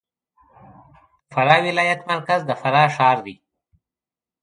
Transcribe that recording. د فراه ولایت مرکز د فراه ښار دی